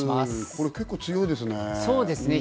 これ結構強いですね。